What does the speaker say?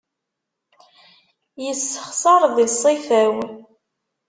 Yessexṣar di ṣṣifa-w.